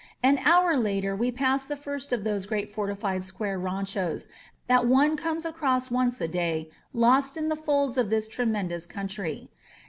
An hour later we passed the first of those great fortified square ranchos that one comes across once a day lost in the folds of this tremendous country.